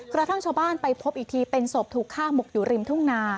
กระทั่งชาวบ้านไปพบอีกทีเป็นศพถูกฆ่าหมกอยู่ริมทุ่งนา